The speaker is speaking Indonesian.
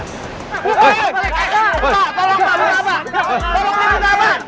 pak alex pak tolong pak berapa tolong dia berapa